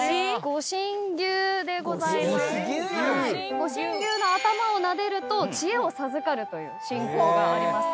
御神牛の頭をなでると知恵を授かるという信仰があります。